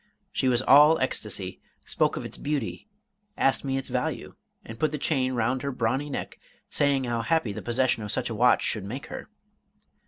She was all ecstasy, spoke of its beauty, asked me its value, and put the chain round her brawny neck, saying how happy the possession of such a watch should make her.